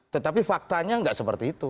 tetapi faktanya nggak seperti itu